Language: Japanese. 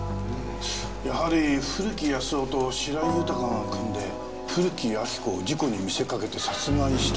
やはり古木保男と白井豊が組んで古木亜木子を事故に見せかけて殺害したという線なんですかね？